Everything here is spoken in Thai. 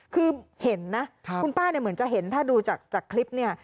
คือเห็นนะคุณป้าเนี่ยเหมือนจะเห็นถ้าดูจากคลิปเนี่ย